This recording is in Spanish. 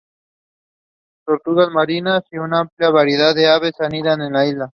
Tortugas marinas y una amplia variedad de aves anidan en la isla.